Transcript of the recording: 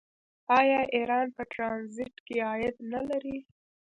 آیا ایران په ټرانزیټ کې عاید نلري؟